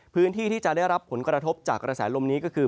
พื้นที่ที่จะได้รับผลกระทบจากกระแสลมนี้ก็คือ